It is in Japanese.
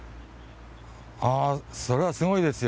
それはすごいですよ。